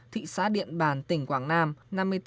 thị xã điện bàn tỉnh quảng nam